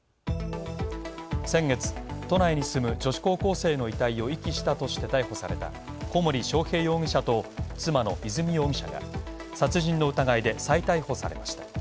先月、都内に住む女子高校生の遺体を遺棄したとして逮捕された小森章平容疑者と妻の和美容疑者が殺人の疑いで再逮捕されました。